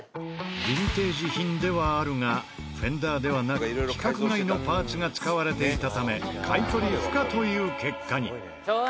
ヴィンテージ品ではあるがフェンダーではなく規格外のパーツが使われていたため買い取り不可という結果に。